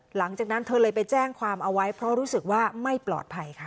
หลังจากนั้นเธอเลยไปแจ้งความเอาไว้เพราะรู้สึกว่าไม่ปลอดภัยค่ะ